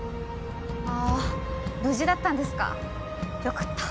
あ無事だったんですかよかった。